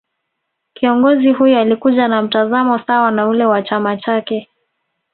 Kiongozi huyo Alikuja na mtazamo sawa na ule wa chama chake